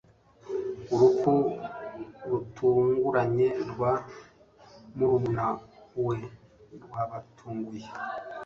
Urupfu rutunguranye rwa murumuna we rwabatunguye.